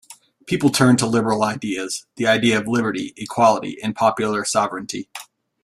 People turned to liberal ideas: the idea of liberty, equality, and popular sovereignty.